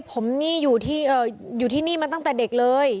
ผมนี่อยู่ที่นี่มาตั้งแต่เด็กเลย